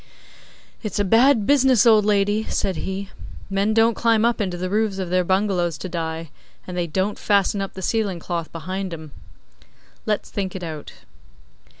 'It's a bad business, old lady,' said he. 'Men don't climb up into the roofs of their bungalows to die, and they don't fasten up the ceiling cloth behind 'em. Let's think it out.